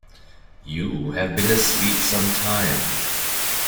You have been asleep some time.